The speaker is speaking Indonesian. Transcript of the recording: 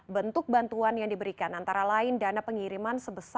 bentuk bantuan yang diberikan antara lain dana pengiriman sebesar rp dua ratus juta